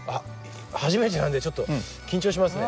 初めてなんでちょっと緊張しますね。